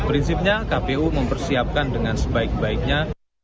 prinsipnya kpu mempersiapkan dengan sebaik baiknya